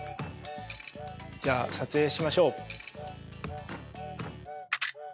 じゃあ撮影しましょう。